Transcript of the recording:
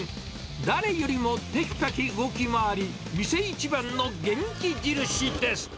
誰よりもテキパキ動き回り、店一番の元気印です。